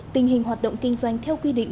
tình hình hoạt động kinh doanh theo quy định